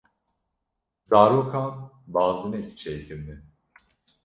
Zarokan bazinek çêkirine.